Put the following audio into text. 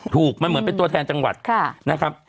ถูกมันเหมือนเป็นตัวแทนจังหวัดนะครับ